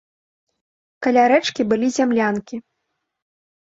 Каля рэчкі былі зямлянкі.